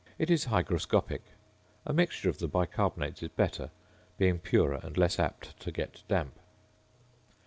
It is hygroscopic. A mixture of the bicarbonates is better, being purer and less apt to get damp.